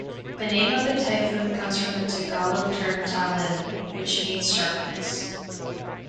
The name of the typhoon comes from the Tagalog term "Talim", which means 'sharpness'.